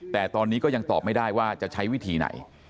แต่ตอนนี้ก็ยังตอบไม่ได้ว่าจะใช้วิธีไหน